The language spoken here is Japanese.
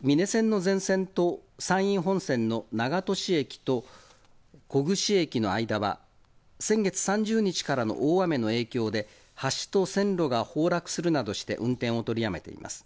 美祢線の全線と、山陰本線の長門市駅と小串駅の間は、先月３０日からの大雨の影響で橋と線路が崩落するなどして、運転を取りやめています。